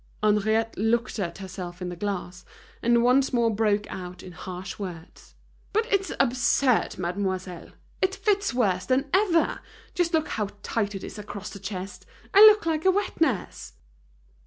Henriette looked at herself in the glass, and once more broke out into harsh words. "But it's absurd, mademoiselle. It fits worse than ever. Just look how tight it is across the chest. I look like a wet nurse."